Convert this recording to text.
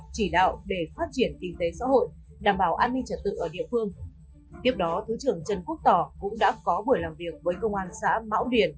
tiếp đó thứ trưởng trần quốc tỏ cũng đã có buổi làm việc với công an xã mão điền